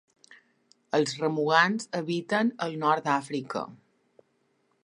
Els remugants habiten al nord d'Àfrica.